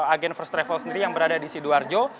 agen first travel sendiri yang berada di sidoarjo